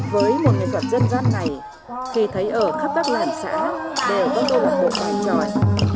với một nghệ thuật dân gian này khi thấy ở khắp các lãnh xã để góp đôi một bộ bài tròi